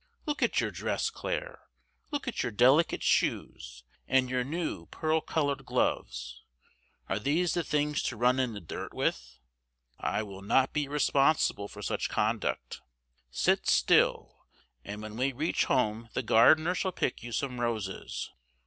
Look at your dress, Claire! Look at your delicate shoes, and your new pearl colored gloves! Are these the things to run in the dirt with? I will not be responsible for such conduct. Sit still, and when we reach home the gardener shall pick you some roses."